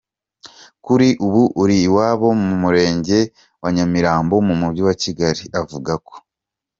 kuri ubu uri iwabo mu murenge wa Nyamirambo mu mujyi wa Kigali, avuga ko